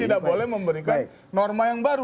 tidak boleh memberikan norma yang baru